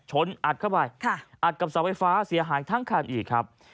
อัดเข้าไปอัดกับเสาไฟฟ้าเสียหายทั้งคันอีกครับ